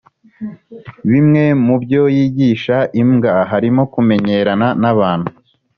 Bimwe mu byo yigisha imbwa harimo kumenyerana n’abantu